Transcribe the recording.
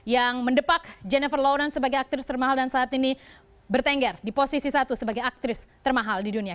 yang mendepak jennifer lawrence sebagai aktris termahal dan saat ini bertengger di posisi satu sebagai aktris termahal di dunia